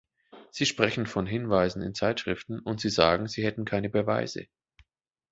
Sie sprechen von Hinweisen in Zeitschriften, und Sie sagen, Sie hätten keine Beweise.